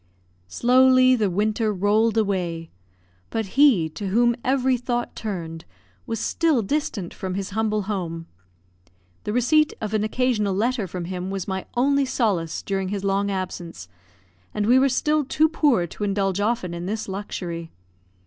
Slowly the winter rolled away; but he to whom every thought turned was still distant from his humble home. The receipt of an occasional letter from him was my only solace during his long absence, and we were still too poor to indulge often in this luxury.